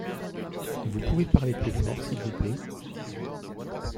Vous pouvez parler plus fort s'il vous plait ?